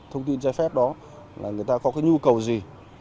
thông tin trái phép đó là người ta có cái nhu cầu gì